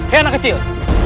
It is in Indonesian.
hei anak kecil